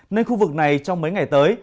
nên khu vực này trong mấy ngày tới